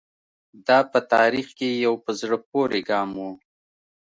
دا په تاریخ کې یو په زړه پورې ګام و.